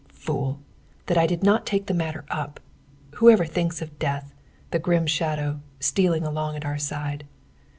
Fool! That I did not take that matter up! Who ever thinks of Death, the grim shadow, stealing along at our side?